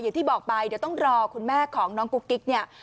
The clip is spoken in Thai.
อย่างที่บอกไปเดี๋ยวต้องรอคุณแม่ของน้องกุ๊กกิ๊กเนี่ย